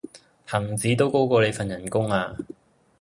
恒指都高過你份人工呀